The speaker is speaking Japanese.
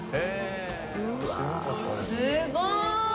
すごーい！